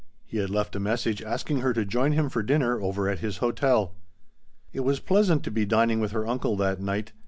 He had left a message asking her to join him for dinner over at his hotel. It was pleasant to be dining with her uncle that night.